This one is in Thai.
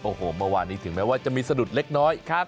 โอ้โหเมื่อวานนี้ถึงแม้ว่าจะมีสะดุดเล็กน้อยครับ